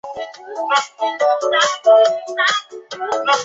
美国国内航班则可以合法的托运枪支。